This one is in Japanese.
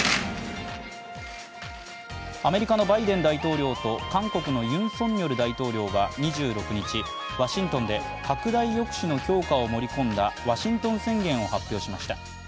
アメリカのバイデン大統領と韓国のユン・ソンニョル大統領は２６日ワシントンで拡大抑止の強化を盛り込んだワシントン宣言を発表しました。